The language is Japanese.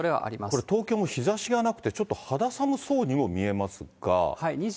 これ、東京も日ざしがなくて、ちょっと肌寒そうにも見えますが。